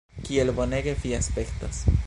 Kiel bonege vi aspektas!